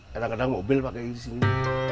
kadang kadang mobil pakai di sini